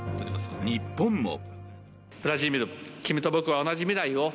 日本も。